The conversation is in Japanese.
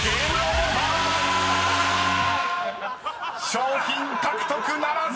［賞品獲得ならず！］